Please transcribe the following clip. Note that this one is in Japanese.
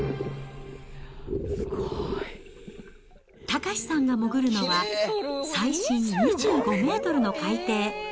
岳さんが潜るのは、最深２５メートルの海底。